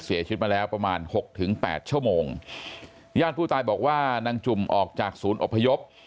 เสียชีวิตมาแล้วประมาณหกถึงแปดชั่วโมงญาติผู้ตายบอกว่านางจุ่มออกจากศูนย์อพยพ